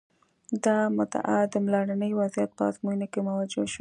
دا مدعا د لومړني وضعیت په ازموینو کې موجه شوه.